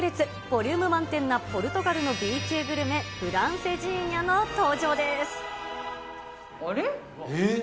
ボリューム満点なポルトガルのＢ級グルメ、フランセジーニャの登あれ？